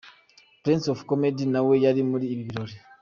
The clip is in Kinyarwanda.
Prince of Comedy nawe yari muri ibi birori.